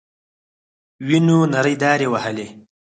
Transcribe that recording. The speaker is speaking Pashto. وينو نرۍ دارې وهلې.